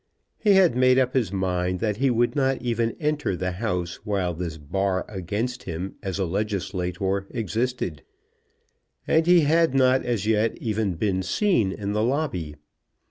He had made up his mind that he would not even enter the house while this bar against him as a legislator existed, and he had not as yet even been seen in the lobby.